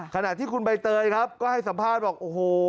ขณะที่คุณใบเตยครับก็ให้สัมภาษณ์บอกโอ้โห